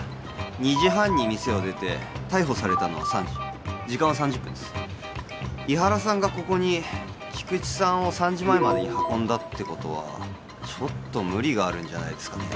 ２時半に店を出て逮捕されたのは３時時間は３０分です井原さんがここに菊池さんを３時前までに運んだってことはちょっと無理があるんじゃ？